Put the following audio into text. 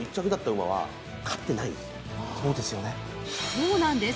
［そうなんです。